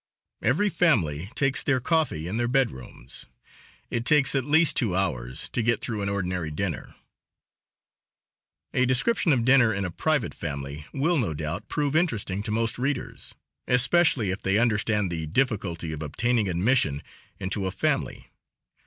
Every family takes their coffee in their bedrooms. It takes at least two hours to get through an ordinary dinner. A description of dinner in a private family will, no doubt, prove interesting to most readers, especially if they understand the difficulty of obtaining admission into a family.